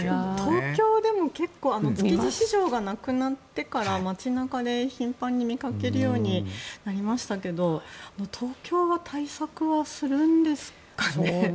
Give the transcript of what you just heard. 東京でも結構築地市場がなくなってから街中で頻繁に見かけるようになりましたが東京は対策はするんですかね？